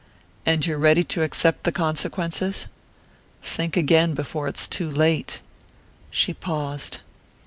"And you're ready to accept the consequences? Think again before it's too late." She paused.